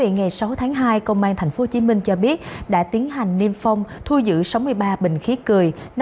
ngày sáu tháng hai công an tp hcm cho biết đã tiến hành niêm phong thu giữ sáu mươi ba bình khí cười